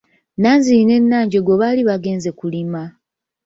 Nanziri ne Nanjjego baali bagenze kulima.